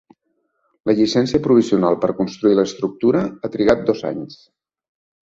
La llicència provisional per construir l'estructura ha trigat dos anys.